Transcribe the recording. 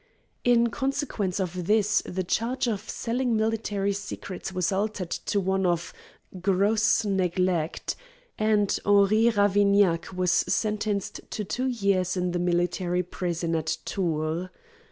In consequence of this the charge of selling military secrets was altered to one of "gross neglect," and Henri Ravignac was sentenced to two years in the military prison at Tours.